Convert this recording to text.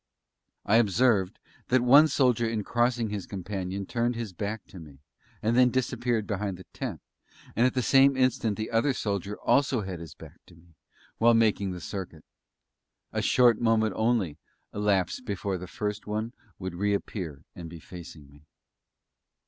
I observed that one soldier in crossing his companion turned his back to me, and then disappeared behind the tent, and at the same instant the other soldier also had his back to me, while making the circuit. A short moment only elapsed before the first one would reappear and be facing me.